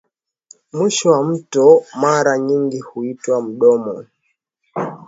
Mwisho wa mto mara nyingi huitwa mdomo